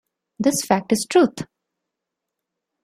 This fact is truth!